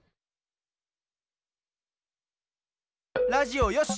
ラジオよし！